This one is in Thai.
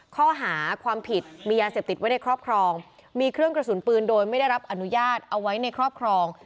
ข้อหาความผิดมียาเสพติดไว้ในครอบครองมีเครื่องกระสุนปืนโดยไม่ได้รับอนุญาตเอาไว้ในครอบครอง